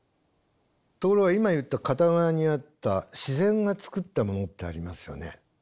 ところが今言った片側にあった自然がつくったものってありますよね。